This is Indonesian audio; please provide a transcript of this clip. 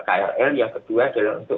krl yang kedua adalah untuk